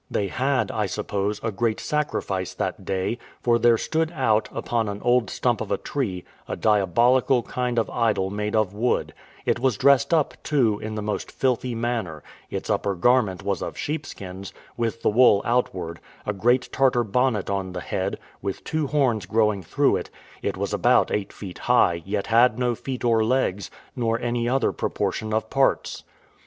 They had, I suppose, a great sacrifice that day; for there stood out, upon an old stump of a tree, a diabolical kind of idol made of wood; it was dressed up, too, in the most filthy manner; its upper garment was of sheepskins, with the wool outward; a great Tartar bonnet on the head, with two horns growing through it; it was about eight feet high, yet had no feet or legs, nor any other proportion of parts.